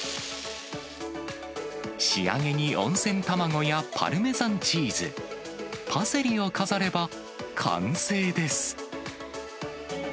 仕上げに温泉卵やパルメザンチーズ、パセリを飾れば完成です。